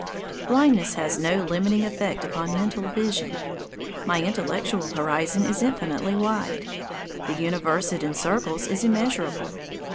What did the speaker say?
Blindness has no limiting effect upon mental vision. My intellectual horizon is infinitely wide. The universe it encircles is immeasurable.